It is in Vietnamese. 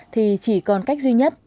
thì chỉ còn cách duy nhất